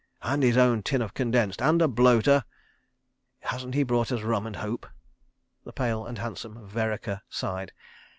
And his own tin of condensed. ... And a bloater. Hasn't he brought us rum and hope? ..." The pale and handsome Vereker sighed.